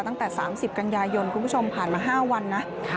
ตั้งแต่๓๐กันยายนคุณผู้ชมผ่านมา๕วันนะ